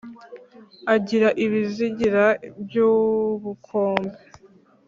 agira ibizigira by’ubukombe,